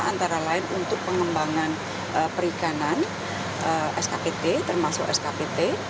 antara lain untuk pengembangan perikanan skpt termasuk skpt